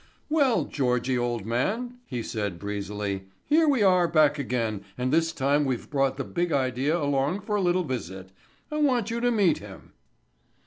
"Well, Georgie, old man," he said breezily, "here we are back again and this time we've brought the big idea along for a little visit. I want you to meet him."